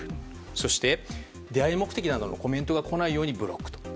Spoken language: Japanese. そして、出会い目的などのコメントが来ないようにブロック。